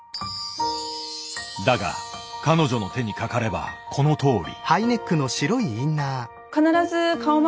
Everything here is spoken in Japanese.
だが彼女の手にかかればこのとおり。